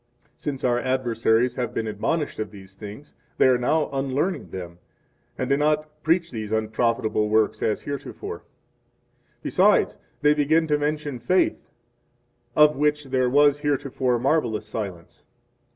4 Since our adversaries have been admonished of these things, they are now unlearning them, and do not preach these unprofitable works as heretofore. 5 Besides, they begin to mention faith, of which there was heretofore marvelous silence.